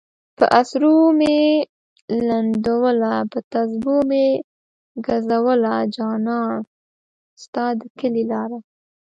پہ اسرو میی لنڈولہ پہ تسپو میی گزولہ جانہ! ستا د کلی لارہ